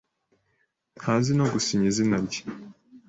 Ntazi no gusinya izina rye.